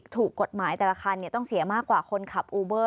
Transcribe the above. ถูกกฎหมายแต่ละคันต้องเสียมากกว่าคนขับอูเบอร์